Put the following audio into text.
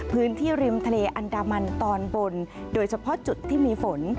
พื้นที่ริมทะเลอันดามันตอนบนโดยเฉพาะจุดที่มีฝน